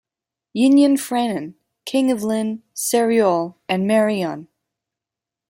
Einion Frenin, king of Llyn, Seiriol, and Meirion.